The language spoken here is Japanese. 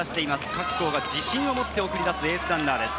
各校が自信を持って送り出すエースランナーです。